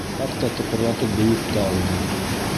Хатта тыпырлатып бейеп тә алды.